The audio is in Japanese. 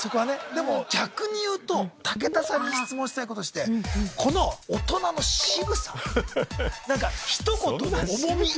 でも逆にいうと武田さんに質問したいこととしてこの大人の渋さ一言の重み。